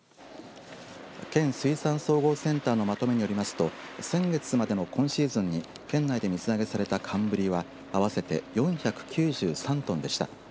県水産総合センターのまとめによりますと先月までの今シーズンに県内で水揚げされた寒ぶりは合わせて４９３トンでした。